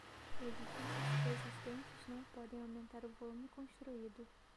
Edifícios existentes não podem aumentar o volume construído.